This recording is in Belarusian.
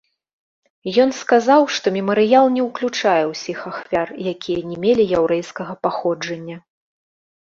Ён сказаў, што мемарыял не ўключае ўсіх ахвяр, якія не мелі яўрэйскага паходжання.